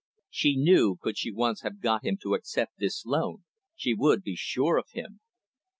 She knew, could she once have got him to accept this loan, she would be sure of him.